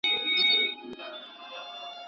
که پرمختيايي پروسه دوام وکړي راتلونکی به روښانه وي.